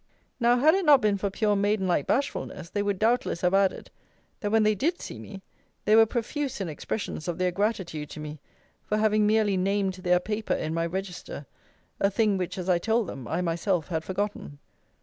Now, had it not been for pure maiden like bashfulness, they would, doubtless, have added, that when they did see me, they were profuse in expressions of their gratitude to me for having merely named their paper in my Register a thing, which, as I told them, I myself had forgotten.